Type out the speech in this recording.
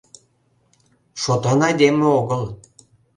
Шотан айдеме огыл».